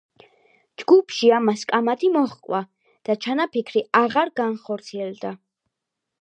ჯგუფში ამას კამათი მოჰყვა და ჩანაფიქრი აღარ განხორციელდა.